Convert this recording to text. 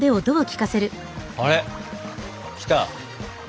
あれきた！